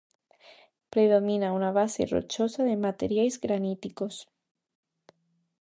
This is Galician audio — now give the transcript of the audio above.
Predomina unha base rochosa de materiais graníticos.